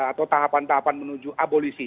atau tahapan tahapan menuju abolisi